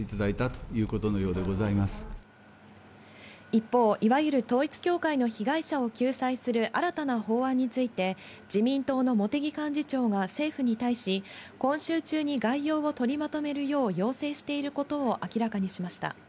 一方、いわゆる統一教会の被害者を救済する新たな法案について、自民党の茂木幹事長が政府に対し、今週中に概要を取りまとめるよう要請していることを明らかにしました。